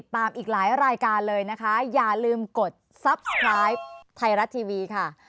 ลากันไปเลยค่ะคุณผู้ชมค่ะสวัสดีค่ะ